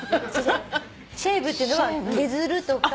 シェイブっていうのは削るとか。